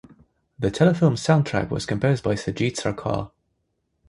The telefilm soundtrack was composed by Sajid Sarkar.